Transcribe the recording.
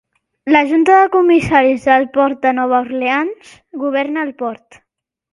La Junta de Comissaris del Port de Nova Orleans governa el port.